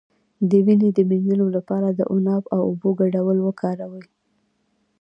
د وینې د مینځلو لپاره د عناب او اوبو ګډول وکاروئ